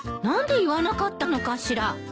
何で言わなかったのかしら？